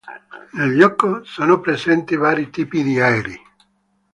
Nel gioco sono presenti vari tipi di aerei.